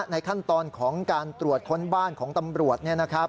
ในขั้นตอนของการตรวจค้นบ้านของตำรวจ